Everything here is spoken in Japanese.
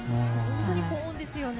本当に高音ですよね。